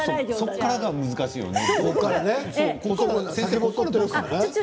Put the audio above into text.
そこからが難しいよね。